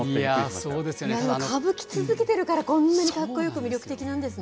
そうですよね、かぶき続けてるから、こんなにかっこよく魅力的なんですね。